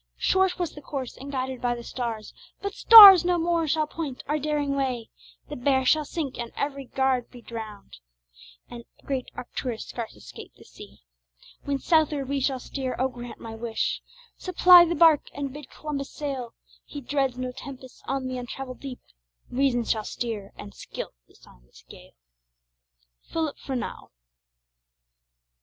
Short was the course, and guided by the stars, But stars no more shall point our daring way; The Bear shall sink, and every guard be drown'd, And great Arcturus scarce escape the sea, When southward we shall steer O grant my wish, Supply the barque, and bid Columbus sail, He dreads no tempests on the untravell'd deep, Reason shall steer, and skill disarm the gale. PHILIP FRENEAU.